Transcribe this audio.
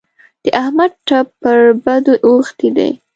د احمد ټپ پر بدو اوښتی دی.